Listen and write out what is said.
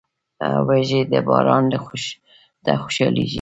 وزې د باران نه خوشحالېږي